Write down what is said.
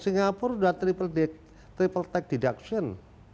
singapura sudah triple tax deduction